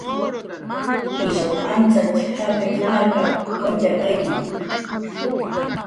"Ishaw antzatx jaqiq markap"" k'umtxarqayki"